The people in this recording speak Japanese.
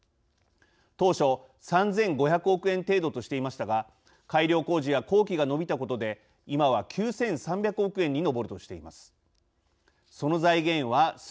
当初３５００億円程度としていましたが改良工事や工期が延びたことで今は９３００億円に上るとしています。